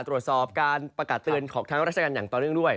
ตรวจสอบการประกาศเตือนของทางราชการอย่างต่อเนื่องด้วย